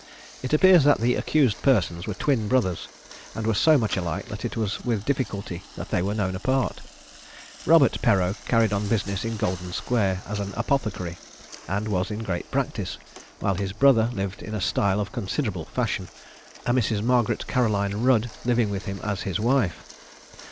It appears that the accused persons were twin brothers, and were so much alike that it was with difficulty that they were known apart. Robert Perreau carried on business in Golden square as an apothecary, and was in great practice; while his brother lived in a style of considerable fashion, a Mrs. Margaret Caroline Rudd living with him as his wife.